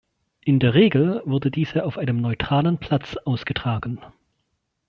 In der Regel wurden diese auf einem neutralen Platz ausgetragen.